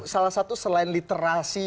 salah satu selain literasi